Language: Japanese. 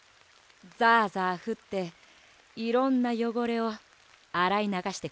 ザザふっていろんなよごれをあらいながしてくれるだろ。